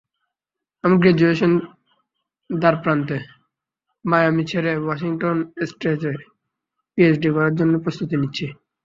আমি গ্রাজুয়েশনের দ্বারপ্রান্তে, মায়ামি ছেড়ে, ওয়াশিংটন স্টেটে পিএইচডি করার জন্য প্রস্তুতি নিচ্ছি।